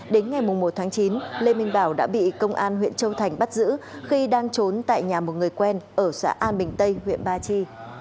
đến ngày một tháng chín lê minh bảo đã bị công an huyện châu thành bắt giữ khi đang trốn tại nhà một người quen ở xã an bình tây huyện ba chi